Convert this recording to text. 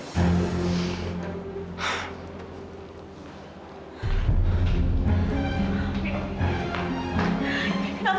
mbak mel apaella